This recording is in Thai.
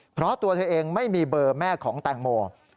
เพราะตัวเธอเองไม่มีเบอร์แม่ของแตงโม